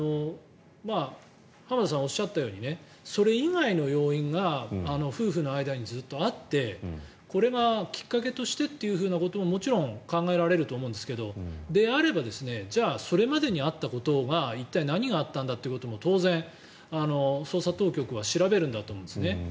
浜田さんがおっしゃったようにそれ以外の要因が夫婦の間にずっとあってこれがきっかけとしてということももちろん考えられると思うんですけどであれば、じゃあそれまでにあったことが一体何があったんだろうかということも当然、捜査当局は調べるんだと思うんですね。